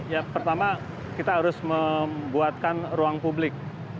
ya pertama kita harus membuatkan ruang publik